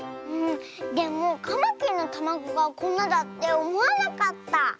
でもカマキリのたまごがこんなだっておもわなかった。